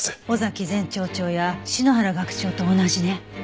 尾崎前町長や篠原学長と同じね。